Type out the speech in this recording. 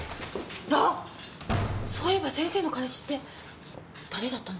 あっそういえば先生の彼氏って誰だったの？